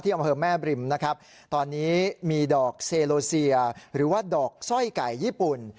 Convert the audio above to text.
อำเภอแม่บริมนะครับตอนนี้มีดอกเซโลเซียหรือว่าดอกสร้อยไก่ญี่ปุ่น